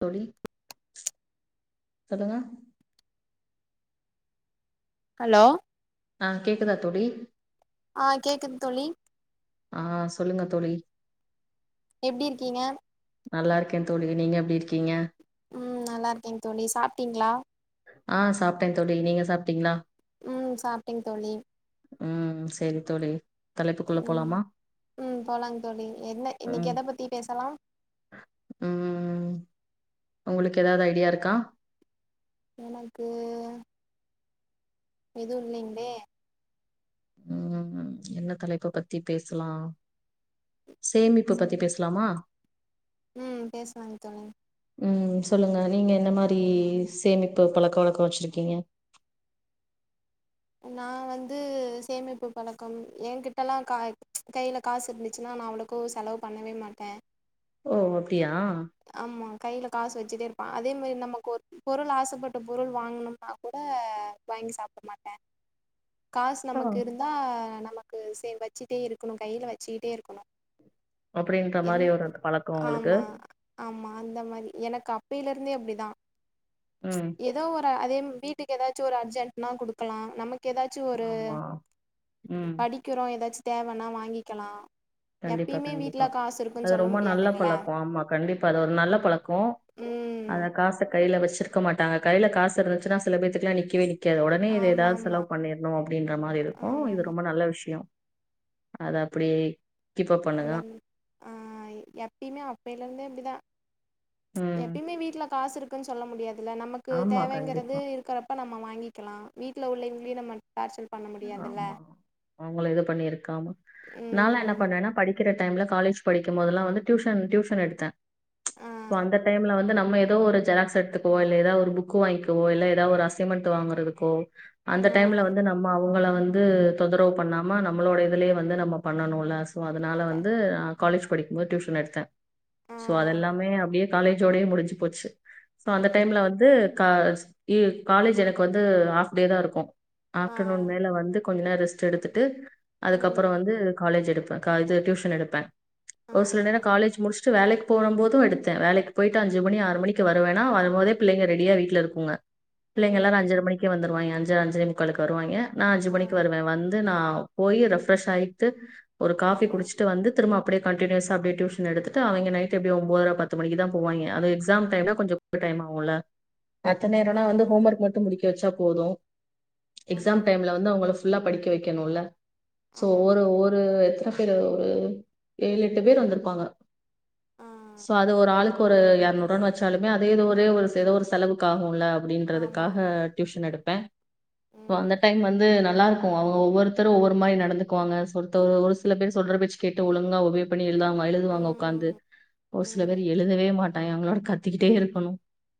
தோழி சொல்லுங்க ஹலோ ஆ கேக்குதா தோழி ஆ கேக்குது தோழி ஆ சொல்லுங்க தோழி ப்டி இருக்கீங்க நல்லா இருக்கேன் தோழி நீங்க எப்டி இருக்கீங்க ம் நல்லா இருக்கே தோழி சாப்ட்டீங்களா ஆ சாப்ட்டே தோழி நீங்க சாப்ட்டீங்களா ம் சாப்ட்டேங் தோழி ம் சேரி தோழி தலைப்புக்குள்ள ம் போலாமா ம் போலாங் தோழி என்ன இன்னைக்கு ம் எத பத்தி பேசலாம் ம் உங்களுக்கு எதாவது ஐடியா இருக்கா எனக்கு எதுவு இல்லைங்ளே ம் என்ன தலைப்பு பத்தி பேசலா சேமிப்ப பத்தி பேசலாமா ம் பேசுவாங்க [unintelligible] ம் சொல்லுங்க நீங்க என்ன மாரி சேமிப்பு பழக்க வழக்கோ வச்சிருக்கீங்க நா வந்து சேமிப்பு பழக்கம் என்கிட்டல்லா கா ய் கையில காசு இருந்துச்சுன்னா நா அவளுக்கூ செலவு பண்ணவே மாட்டே ஓ அப்டியா ஆமா கையில காசு வெச்சுட்டே இருப் அதே மாரி நமக்கு ஒரு பொருள் ஆசைப்பட்ட பொருள் வாங்கணும்னா கூட வாங்கி சாப்ட மாட் ட காசு ஆ நமக்கு இருந்தா நம இது சே வச்சுட்டே இருக்குணு கைல வச்சுக்கிட்டே இருக்கணு அப்புடின்ற என் மாரி ஒரு பழக்கோ உங்குளுக்கு ஆமா ஆமா அந்த மாரி எனக்கு அப்பையிலருந்தே அப்டிதா ம் ஏதோ ஒரு அதேம் வீட்டுக்கு ஏதாச்சு ஒரு அர்ஜெட்னா குடுக் க்குலா நமக் ஏதாச்சு ஒரு ஆமா ம் படிக்கிறோ ஏதாச்சு தேவ னா வாங்கிக்கிலா கண்டிப்பா கண்டிப்பா அது சொல்ல ரொம்ப நல்ல முடியாதுங்கள பழக்கொ ஆமா கண்டிப்பா அது ஒரு நல்ல பழக்கொ ம் அத காச கைல வச் சிர்க்க மாட்டாங்க கைல காசு இருந்துச்சுனா சில பேத்துக்குலா நிக்கெவே நிக் காது ஒடனே இத எதாவ்து ஆமாமா செலவ் பண்ணிர்ணு அப்டின்ற மாரி இருக்கு இது ஆமாமா ரொம்ப நல்ல விஷயொ அது அப்டே அந்த அ எப்பய்மே அப்பைலேர்ந்தே அப்டிதா ம் எப்பய்மே வீட்ல காசு இருக் குன் சொல்ல முடியா துல்ல நமக்கு ஆமா தேவைங்குறது கண்டிப்பா இருக்குறப்ப நம் ம வாங்கிக்கெலா வீட்ல உள்ளவிங்ளையு நம்ம டார்சல் பண்ண முடியாதுல்ல அவ்ங்கள எது பண்ணிர் காம்மா நால்லா என்ன ம் பண்ணேன்னா படிக்கிற டைம்ல காலேஜ் படிக்கும்போதெல்லா வந்து டியூஷன் டியூஷன் எடுத்தே ஆ சோ அந்த டைம்ல வந்து நம் நம்ம ஏதோ ஒரு ஜெராக்ஸ் எடுத்துக்கோ இல்ல எதா ஒரு புக் வாங்கிக்கவோ இல்ல ஏதா ஒரு அச்சிஞ்மேங்ட் வாங்கறக்கோ ஆ அந்த டைம்ல வந்து நம் அவ்ங்கள வந்து தொந்தரவு பண்ணாம நம்மளோட இதுலயே வந்து நம்ம பண்ணனும் ஆஸ் சோ அதனால க வந்து அ காலேஜ் படிக்கும் போது டியூஷன் எடுத்தேன் ஆ சோ அதெல்லாமே அப்டியே காலேஜோடயே முடிஞ்சு போச்சு சோ அந்த கண்டிப்பா டைம்ல வந்து கா காலேஜ் எனக்கு வந்து ஹாப் டே தாருக்கும் ஆ ஆப்டர்நூன் மேல வந்து கொஞ்ச நேரோ ரெஸ்ட் எடுத்துட்டு ம் அதுக்கப்புறோவந்து காலேஜ் எடுத் கஞ்சு டியூஷன் எடுப்பேன் ஆ ஓரு சில நே காலேஜ் முடிச்சிட்டு வேலைக்கு போன போதும் எடுத்தேன் வேலைக்கு போயிட்டு அஞ்சு மணி ஆறு மணிக்கு வருவனா வரும்போதே பிள்ளைங்க ரெடியா வீட்ல இருங்குங்க பிள்ளைங்க எல்லாரு ம் அஞ்சுர மணிக்கே வந்துருவாங்க அஞ்சு அஞ்சேமு காளுக்கு வருவாய்ங்க நான் அஞ்சு ஆ மணிக்கு வருவேன் வந்து நா ஆ போயி ரெஃப்ரஷ் ஆயிட்டு ஒரு ஆ காஃபி குடிச்சிட்டு வந்து திரும்மா அப்டியே கண்டினியூஸா அப்டியே டியூஷன் எடுத்துட்டு அவிங்க நைட்டு எப்டியு ஒம்போத்ர பத்து மணிக்குதா போவாய்ங்க அது எக்ஸாம் டைம்னா கொஞ்சோகு டைம் ஆகுல்ல மத்த ஆ நேரோனா வந்து ஹோம் ஒர்க் மட்டு முடிக் ச்சா போது ஆமா எக்ஸாம் டைம்ல வந்து அவங்கள ஃபுல்லா படிக்க வைக்கணுல்ல சோ ஆமாங்க ஒரு தோழி ஒரு எத்ர ஒரு ஏழு எட்டு பேர் வந்துருப்பாங்க. ஆ சோ அது ஒரு ஆளுக் ஒரு எரநூறு ரூவானு வச்சாலுமே அதுமே ஒரே ஒரு செல ஒரு செலவுக்கு ஆகுல ஆமா அப்படின்றதுக்காக ஆமா டியூஷன் எடுப் பெ ம் அந்த டைம் வந்து நல்லா இருக்கு அவங்க ஒவ்வொருத்தரு ஒவ்வொரு மாதிரி நடந்துக்குவாங்க ஒரு சில பேர் சொல்ற பேச்சு கேட்டு ஒழுங்கா ஒரே பண் எழுதாம எழுதுவாங்க உக்காந்து ம் ஒரு சில பேர் ம் எழுதவே மாட்டாங்க அவங்களோட கத்துக்கிட்டே இருக்கணு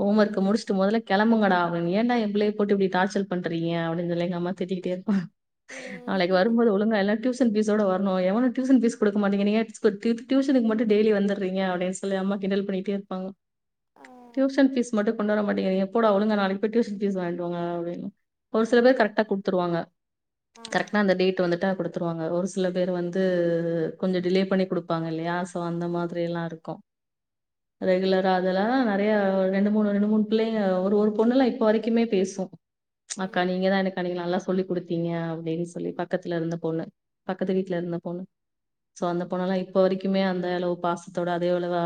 ஹோம் ஒர்க ம் முடிச்சுட்டு மொதல்ல கெளம்புங்கடா ஏண்டா எ பிள்ளைய போட்டு இப்படி டார்ச்சர் பண்ட்ருக்கீங்க அப்டின்னு சொல்லி எங்க அம்மா திட்டி கிட்டே இருப்பா ம் நாளைக்கு வரும் போது ஒழுங்கா எல்லா டியூசன் ஃபீஸோட வரணு எவனு டியூசன் ஃபீஸ் குடுக்க மாட்டேங்குறீங்க [unintelligible] டியூசனுக்கு மட்டு டெய்லி வந்துறீங்க அப்டின் சொல்லி அம்மா கிண்டல் பண்ணி கிட்டே இருப்பாங்க ஆ டியூஷன் ஃபீஸ் மட்டு கொண்டு வர மாட்டேங்கிறாங்க போடா ஒழுங்கா நாளைக்கு போய் டியூன் ஃபீஸ் வாங்கிட்டு வாங்கடா அப்டின் ஒரு சில பேர் ம் கரெக்டா குடுத்துருவாங்க ஆ கரெக்ட்டா அந்த டேட் வந்துட் ட்ட குடுத்துருவாங்க ஒரு சில பேரு வந்து கொஞ்ச டிலே பண்ணி குடுப்பாங்க இல்லையா? சோ அந்த மாதிரி ஆமா எல்லா இருக்கோ ரெகுலரா அதெல்லா நிறைய ரெண்டு மூணு ரெண்டு மூணு பிள்ளைங்க ஒரு ஒரு பொண்ணுல்லா இப்ப வரைக்குமே பேசும் அக்கா நீங்க தா எனக்கு அன்னைக்கி நல்லா சு சொல்லி் கொடுத்தீங்க அப்படின் சொல்லி பக்கத்துல இருந்த பொண்ணு பக்கத்து வீட்டுல இருந்த பொண்ணு சோ அந்த பொண்ணல்லா இப்ப வரைக்குமே அந்த அளவு பாசத்தோட அதே அளவு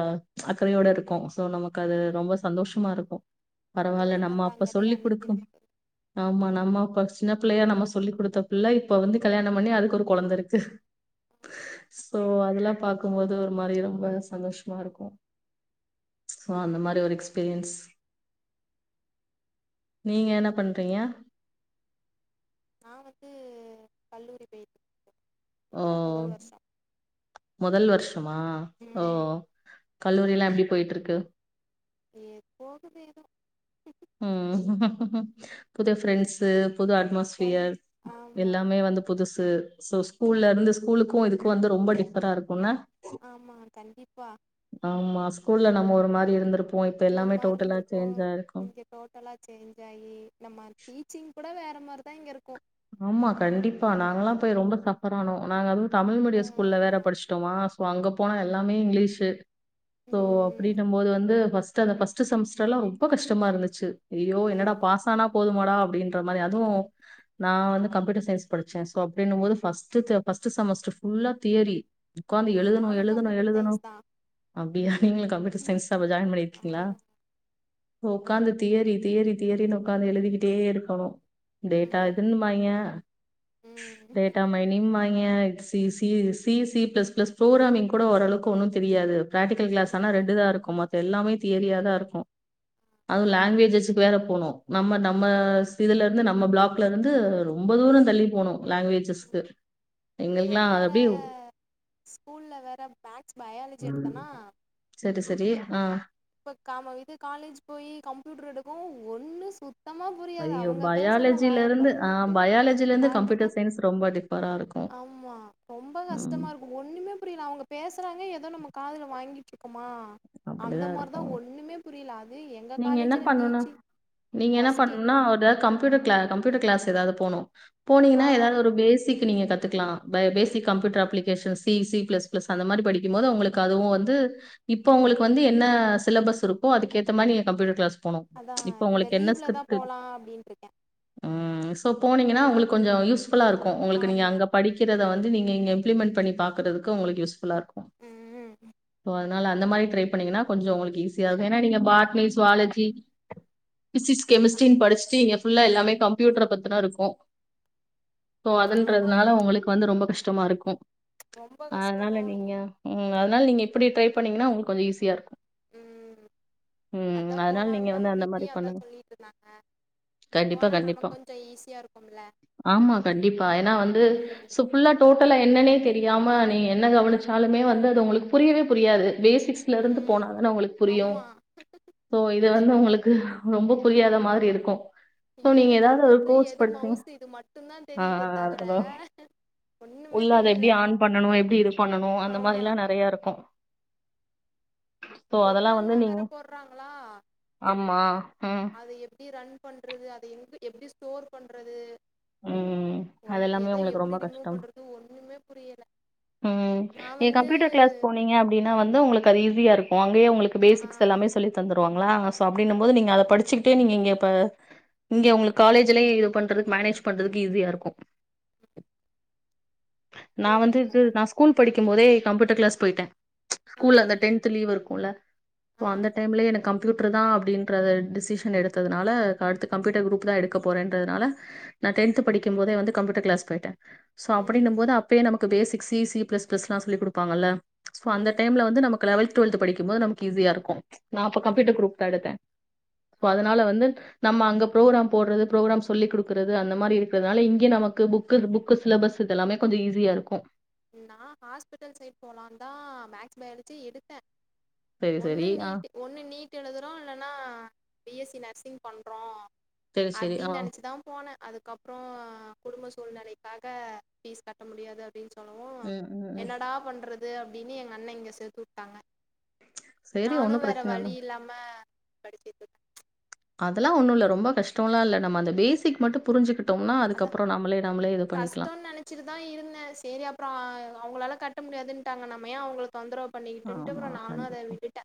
அக்கறையோட இருக்கோ சோ நமக்கு அது ம் ரொம்ப சந்தோஷமா இருக்கோ பரவால்ல சொல்லி நம்ம அப்ப தந்தாங்களே சொல்லி் அன்னைக்கு குடுக்கும் நமக்கு ஆமா நம்ம அப்ப சின்ன பிள்ளையா நம்ம சொல்லி் கொடுத்த பிள்ள இப்ப வந்து கல்யாண பண்ணி அதுக்கு ஒரு குழந்த இருக்கு சோ அதுல்லா பாக்கும்போது ஒரு மாரி ரொம்ப சந்தோஷமா இருக்கோ சோ அந்த மாரி ஒரு எஸ்பீரியன்ஸ் நீங்க என்ன பண் பையா நா வந்து கல்லூரி போயிட்டுருக்கே ஓ முதல் வருஷமா ஓ ம் கல்லூரி எல்லா எப்படி போயிட்டு இருக் க்கு எப்போது வேதோ உ உம் புது ஃப்ரெண்ட்ஸூ புது ரன் அட்மாஸ்பியர் ஆமா எல்லாமே வந்து புதுசு ஸோ ஸ்கூல்ல இருந்து ஸ்கூலுக்கு இதுக்கு வந்து ரொம்ப டிஃபரா இருக்குன்ன? வா ஆமா ஸ்கூல்ல நம்ம ஒரு மாரி இருந்திருப் ஒரு மாரி இருந்திருக்கோ இங்க டோட்டலா சேஞ்ச் ஆயி நம்ம டீச்சிங் கூட வேற ற மாரிதா இங்க இருக்கோ ஆமா கண்டிப்பா நாங்கல்லா போய் ரொம்ப சஃபர் ஆனோ நாங்க அதுவு தமிழ் ஆ மீடியம் ஸ்கூல்ல வேற படிச்சிட்டோமா இப்போ அங்க போனா எல்லாமே இங்லீஷு சோ ம் அப்டினுமோது வந்து ஃஸ் ஸ்டு அந்த ஃபஸ்டு செமஸ்டர்லா ரொம்ப கஷ்டமா இருந்துச்சு ஐயயோ ஆ என்னடா பாஸ் ஆனா போதுமாடா அப்டின்றமாரி அதுவு நான் வந்து கம்யூட்டர் சய்ன்ஸ் படிச்சே சோ அப்டினுமோது ஃபஸ்டு த ஃபஸ்டு செமஸ்டர் ஃபுல்லா தியரி உட்காந்து ம் எழுதுணு நானு எழுதுணு கம்ப்யூட்டர் எழுதுணு சயின்ஸ் தா அப்டியா நீங்களு கம்ப்யூட்டர் சயின்ஸ்தாப்ப ஜாயின் ஆ பண்ணிருக்கீங்ளா உக்காந்து தியரி தியரி தியரினு உக்காந்து எழுதிக்கிட்டே இருக்கணும் [unintelligible] ம் இதுன்னுமாய்ங்க ம் டேட்டா மைனிங்பாய்ங்க C C C C plus plus programming கூட ஓரளவுக்கு ஒன்னு தெரியாது ப்ராட்டிக்கல் க்லாஸ் ஆனா ம் ரெண்டுதான் இருக்கும் மத் த எல்லாமே தியரியாதா இருக்கு அதுவு லாங்குவேஜஸ்கு வேற போனு நம்ம நம்மஸ் இதுலருந்து நம்ம ப்ளாக் லருந்து ரொம்ப தூரந்தள்ளி போனு லாங்குவேஜஸ்கு நா எங்களுக்குலாம் அத் வேற அப்டியே ஸ்கூல்ல வேற மேக்ஸ் பயாலஜி ம் எடுத்தனா சரிசரி ஆ இப்ப காம இது காலேஜ் போயி கம்ப்யூட்டர் எடுக்கவு ஒண்ணு சுத் தமா புரியாது ஐயோ அவுங்க பேசறத பயாலஜில வாய இருந்து ஆ பொலந்துட்டு பயாலஜில இருந்து பாத்துட்டு கம்ப்யூட்டர் சயின்ஸ் ரொம்ப டிஃபரா இருக்கு ஆமா ரொம்ப ம் கஷ்டமா இருக்கு ஒண்ணுமே புரில அவுங்க பேசறாங்க ஏதோ நம்ம காதுல வாங்கி குமா அப்டிதா அந்தமா இருக்கு நீங்க என்ன பண்ணுனு டீச்சிங் நீங்க என்ன ஒஸ்ட்டு பண்ணுனுனா ஒரு கம்ப்யூட்டர் க்ளா கம்ப்யூட்டர் க்ளாஸ் ஏதாது போனு போனீங்கன்னா ஆ ஏதாது ஒரு பேசிக் நீங்க கத்துக்குலா basic computer application C C plus plus அந்தமாரி படிக்குமோது உங்களுக்கு அதுவும் வந்து இப்ப உங்களுக்கு வந்து என்ன சிலபஸ் இருக்கோ அதுக்கேத்தமாரி நீங்க கம்ப்யூட்டர் க்ளாஸ் அதான் இந்த லீவ்லதான் போலா அப்டின்ருக்கே ம் ஸோ போனிங்கனா உங்களுக்கு கொஞ்சோ யூஸ் ஃபுல்லா இருக்கு உங்களுக்கு நீங்க ஆமா அங்க படிக்கிற த வந்து நீங்க இங்க இம்ப்ளிமெண்ட் பண்ணி பாக்குறதுக்கு உங்களுக்கு யூஸ்ஃபுல்லா இருக் ம் னால அந்தமாரி ட்ரை பண்ணீங்கனா கொஞ்சோ உங்களுக்கு ஈஸியாகு ஏன்னா நீங்க பாட்னி ஸ்வாலஜி பிசிக்ஸ் கெமிஸ்ட்ரினு படிச்சிட்டு இங்க ஃபுல்லா எல்லாமே கம்ப்யூட்டர பத்தின இருக்கு ஸோ ஆ அதுன்றதுனால ஆமா உங்களுக்கு வந்து ரொம்ப கஷ் டமா இருக்கு ரொம்ப அதனால கஷ்டந்தா நீங்க ம் அதனால நீங்க இப்பிடி ட்ரை பண்ணிங்கனா உங்களுக்கு கொஞ்சோ ஈசியா இருக்கு ம் ம் அதா அதனால நீங்க போலான்தா வந்து அந்தமாரி வீட்லயு அதா பண்ணுங்க சொல்லிட்ருந்தாங்க கண்டிப்பா போனா கண்டிப்பா நமக்கு கொஞ்சோ ஈஸியா இருக்கும்ல ஆமா கண்டிப்பா ஏன்னா வந்து ம் ஸோ ஃபுல்லா டோடல்லா என்னன்னே தெரியாம நீ என்ன கவனிச்சாலுமே வந்து அது உங்களுக்கு புரியவே புரியாது பேசிக்ஸ்லருந்து ம் போனா தான உங்களுக்கு புரியு ஆமா ஸோ இது வந்து உங்களுக்கு ரொம்ப புரியாத மாதிரி இருக்கும் சோ நீங்க எது ஏதாவது ஒரு கம்ப்யூட்ரு கோர்ஸ் எது [unintelligible] மவுஸு இது மட்டுந்தா ஆ தெரியுதே தவிர அத ஒண்ணுமே உள்ள அத தெரியல எப்படி ஆன் பண்ணணு எப்டி இது பண்ணனு அந்த ஆமா மாரிலாம் நிறைய இருக்கும் புரோக்ராம்லாம் நீங்க வேற போடுறாங்களா ஆமா ம் அது எப்படி ரன் பண்றது அது எங் எப்படி ஸ்டோர் பண்றது ம் அது ஒண் எல்லாமே எத உங்களுக்கு எப்படி ரொம்ப ரிமூவ் கஷ்டம் பண்றது ஒண்ணுமே புரியல ம் நா நீ வந்து கம்ப்யூட்டர் கிளாஸ் போனீங்க அப்படின்னா வந்து உங்களுக்கு அது ஈஸியா இருக்கு அங்கேயே உங்களுக்கு ஆ பேசிக்ஸ் எல்லாமே சொல்லித் தந்துருவாங்க [unintelligible] அப்டினும் போது நீங்க அத படிச்சுக்கிட்டே நீங்க இங்க இப்ப இங்கே உங்களுக்கு காலேஜ்லையே இது பண்றதுக்கு மேனேஜ் பண்றதுக்கு ஈஸியா இருக்கு நா வந்து போகணு இது போகணும் நா ஸ்கூல் படிக்கும் போதே கம்யூட்டர் கிளாஸ் போயிட்ட ஆ ஸ்கூல்ல அந்த டென்த் லீவ் இருக்குல்ல ஒ ஆ அந்த டைம்லயே எனக்கு கம்ப்யூட்டர் தா அப்படின்றத டிசிஷன் எடுத்ததுனால அடுத்து கம்ப்யூட்டர் குரூப் தா எடுக்கப் போறேன்றதுனால நா டென்த் படிக்கும் போதே வந்து கம்ப்யூட்டர் கிளாஸ் போய்ட்ட சோ அப்டின்னும் போது ம் அப்பயே நமக்கு basic C C plus plus எல்லா சொல்லி குடுப்பாங்கல்ல சோ ம் அந்த ம் டைம்ல வந்து நமக்கு லெவல் டுவெல்த் படிக்கும்போது நமக்கு ஈஸியா இருக்கு நா அப்ப ம் கம்ப்யூட்டர் குருப் தா எடுத்த ஒ ஆ அதனால வந்து நம்ம அங்க ப்ரோக்ராம் போடுறது ப்ரோக்ராம் சொல்லி குடுக்கறது அந்த மாரி இருக்கறதுனால இங்க நமக்கு புக்கு புக்கு சிலபஸ் இதெல்லாமே கொஞ்ச ஈஸியா இருக்கு நா ஹாஸ்பிட்டல் சைட் போலான் தா மேக்ஸ் பயாலஜிய எடுத்தே சரி, ஒன்னு சரி. ஆ. நீட்டு ஒண்ணு நீட் எழுதுறோ இல்லனா பிஎஸ்சி நர்சிங் பண்றோ சரி, சரி. ஆ. அப்டின் நினச்சுதா போனே அதுக்கப்புற குடும்ப சூழ்நிலைக்காக ஃபீஸ் கட்ட முடியாது அப்டின் சொ ம் ம் ம் து அப்படின்னு எங்க அண்ண இங்க சேர்த்து வுட்டாங்க சரி நானு ஒண்ணும் வேற பிரச்சன இல்ல. வழி இல்லாம படி [unintelligible] அதெல்லா ஒண்ணுல்ல ரொம்ப கஷ்டலா இல்ல நம்ம அந்த பேசிக் மட்டும் புரிஞ்சுக்கிட் டோம்னா அதுக்கப்புற நாம்மளே நம்மளே இது பண்ணிக்கலாம். கஷ்டனு நினச்சிட்டுதா இருந்தே சேரி அப்புற அவங்களால கட் கட்ட முடியாதுன்ட்டாங்க நம்ம ஏ அவங்கள தொந்தரவு பண்ணிகிட்டுன்டு அப்புற ஆமா, நானு அத கண்டிப்பா. விட்டுட்டே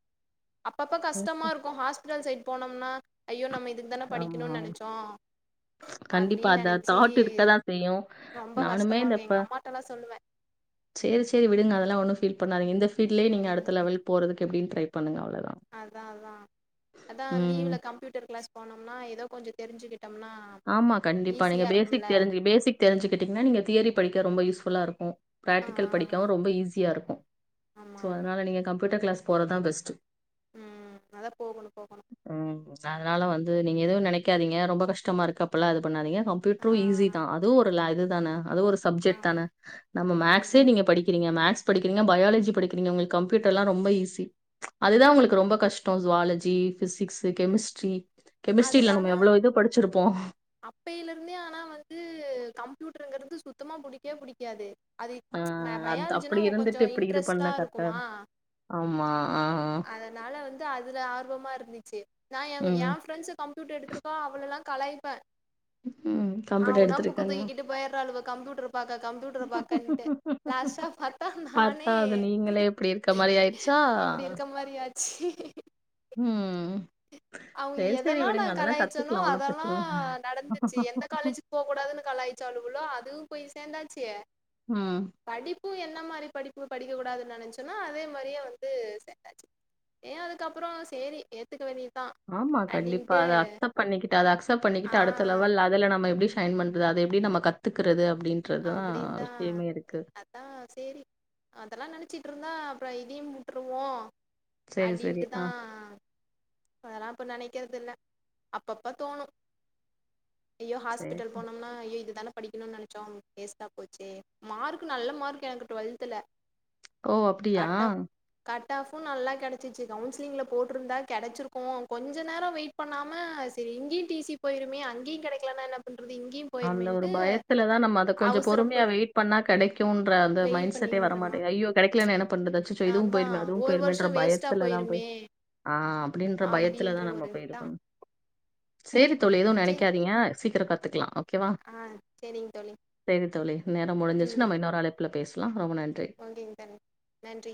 அப்பப்ப கஷ்டமா இருக்கு ஹாஸ்பிட்டல் சை போனம்னா ஐயோ நம்ம இது இதான ஆமா. படிக்கணுன் நெனச்சோ அப்படின் நெனச்சி ஹலோ நானுமே இந்தப்ப சொல்லுவேன் சேர் சேர் விடுங்க அதெல்லாம் ஒண்ணும் ஃபீல் பண்ணாதீங்க இந்த ஃபீல்ட்லே நீங்க அடுத்த லெவல் போறதுக் எப்டின்னு ட்ரை பண்ணுங்க அவ்வளோதான். அதா அதா அதா ம். லீவ்ல கம்ப்யூட்டர் கிளாஸ் போனம்னா ஏதோ கொஞ்சம் தெரிஞ்சுகிட் ஆமா கண்டிப்பா நீங்க பேசிக் தெரிஞ்சி பேசிக் தெரிஞ்சுக்கிட்டீங்கன்னா நீங்க தியரி படிக்க ரொம்ப யூஸ்ஃபுல்லா இருக் ஆ ஆ பிராக்டிக்கல் ஆ படிக்க ரொம்ப ஈஸியா இருக்கு ஆமா சோ ஆமா அதனால நீங்க கம்ப்யூட்டர் கிளாஸ் போறதான் பெஸ்ட் ம் அதான் போகணும் போகணும் உம் அதனால வந்து நீ எதுவு நெனைக்காதீங்க ரொம்ப கஷ் டமா இருக்கு அப்பல்லா இது பண்ணாதீங்க ஆ கம்யூட்டரும் ஈஸி தான் அதுவும் ஒரு இது தான அது ஒரு சப்ஜெக்ட் ஆமா தானே நம்ம மேத்ஸே ம் நீங்க படிக்கிறீங்க மேத்ஸ் படிக்கிறீங்க பயாலஜி படிக்கிறீங்க உங்களுக்கு கம்ப்யூட்டரெலாம் ரொம்ப ஈஸி அதுதான் உங்களுக்கு ரொம்ப கஷ்டம் ஜுவாலஜி பிசிக்ஸு கெமிஸ்ட்ரி அதுல கெமிஸ்ட்ரில நம்ம ஆனா எவ்ளோ இது படி அப்பையில இருந்தே ஆனா வந்து க கம்ப்யூட்ருங்குறது சுத்தமா புடிக்கே புடிக்காது அது அ ம அது பயாலஜினா அப்படி ஒ கொஞ்சோ இருந்துட்டு இப்படி இது பண்ண இன்ட்ரஸ்டா கரெக்ட்டா இருக்கும். இருக்குமா ஆமா. ஆ. அதனால வந்து அதுல ஆர்வமா இர்ந்துச்சு ம். [unintelligible] கம்ப்யூட்டு எடுத்துருக்கா அவளலா கலாய்ப்ப ம். ஆ கம்ப்யூட்டர் உனா ஃபுக்க எடுத்திருக்கேன்னா. தூங்கிக்கிட்டு போயற்றாளுவோ கம்ப்யூட்டர் பாக்க கம்ப்யூ ட்டுறப்பாக்கண்ட்டு லாஸ்டா பாத்தா பார்த்தா நானே அது நீங்களே இப்படி இருக்க மாரி ஆயிருச்சா? இப்டி இர்க்க மாரி ஆச்சி ம். அவுங் சரி, சரி எதலா நா விடுங்க. அதெல்லாம் கலாய்ச்சனோ கத்துக்கலாம். ஒண்ணும் அதலா பிரச்சன இல்ல. நடந்துச்சு எந்த காலேஜுக் போகூடாதுன்னு கலாய்ச்சாலுகளோ அது போய் சேந்தாச்சி ம் பு என்ன மாரி படிப்பு படிக்க கூடாது நெனச்சனோ அதே மாரியே வந்து சேந்தாச்சு ஏ அதுக்கப்புறொ சேரி ஏத்துக்க வேண்டியி ஆமா கண்டிப்பா அத அக்த பண்ணிக்கிட்ட அத அக்சப் பண்ணிக்கிட்டு ஆ அடுத்த லவல் அதுல நம்ம எப்டி டைன் பண்றது அது எப்டி நம்ம கத்துக்றது அப்டின்தா அதா சேரி அதல்லா நென சிட்ருந்தா அப்ற இதியும் உட்ருவோ சரி, சரி. ஆ அடின்ட்டுதா அதலா இப்ப நெனைக்கறது இல்ல அப்பப்ப தோணும் ஐய்யோ சரி. ஹாஸ்பிட்டல் போனும்னா ஐய்யோ இதுதான படிக்கணும்னு நெனைச்சோம் வேஸ்டா போச்சே மார்க் நல்ல மார்க் எனக்கு டுவெல்த்துல ஓ அப்டியா கட் ஆஃப் கட் ஆஃபும் நல்லா கெடைச்சிச்சு கவுன்சிலிங்ல போட்டிருந்தா கெடச்சுருக்கும் கொஞ்ச நேரம் வெயிட் பண்ணாம சரி இங்கயும் டி சி போய்ருமே அங்கயும் கெடைக்கலனா என்ன பண்ணறது அந்த ஒரு பயத்துலதான் நம்ம அத கொஞ்ச பொறுமையா அவசரப்பட் வெயிட் பண்ணா கிடைக்கும்ன்ற அந்த வெயிட் மைண்ட் செட்டே பண்ணிருந்தனா வரமாட்டங்குது ஐயோ கெடைக்கலனா என்ன பண்றது அச்சச்சோ இதுவும் அதா போயிருமே அதுவும் ஒரு போயிருமேன்ற வருஷோ வேஸ்ட்டா பயத்துலதான் போய் போயிருமே ஆஹ் அப்டின்ற அப்டின்ற பயத்துலதான் நம்ம ஒரு போய் இது இதா பண்ணணு சேரி தோழி ஏதுவும் சரி நெனைக்காதிங்க சீக்கிரம் கத்துக்கலா ஓக்கேவா ஆ சரிங்க தோழி சேரி தோழி நேரம் முடிஞ்சிருச்சு ம் நம்ம இன்னொரு அழைப்புல பேசலாம் ரொம்ப நன்றி. [unintelligible] நன்றி